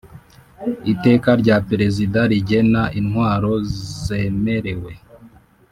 Iteka rya Perezida rigena intwaro zemerewe